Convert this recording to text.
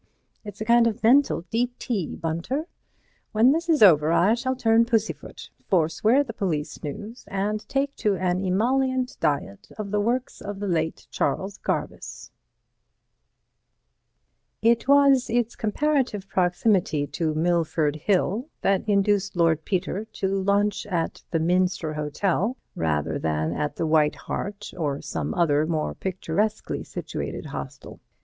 It's a kind of mental D.T., Bunter. When this is over I shall turn pussyfoot, forswear the police news, and take to an emollient diet of the works of the late Charles Garvice." It was its comparative proximity to Milford Hill that induced Lord Peter to lunch at the Minster Hotel rather than at the White Hart or some other more picturesquely situated hostel.